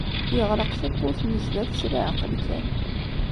Yeɣleq tawwurt n sdat s leɛqel kan.